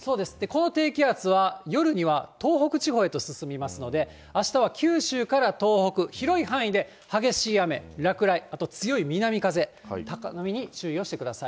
この低気圧は夜には東北地方へと進みますので、あしたは九州から東北、広い範囲で激しい雨、落雷、あと強い南風、高波に注意をしてください。